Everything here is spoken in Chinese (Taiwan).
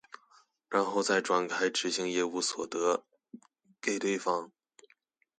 然後再轉開執行業務所得給對方